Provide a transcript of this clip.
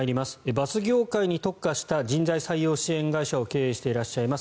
バス業界に特化した人材採用支援会社を経営しています